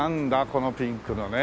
このピンクのね。